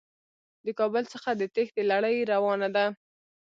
د کابل څخه د تېښتې لړۍ روانه ده.